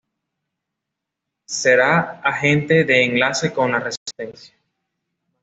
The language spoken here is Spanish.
Será agente de enlace con la Resistencia.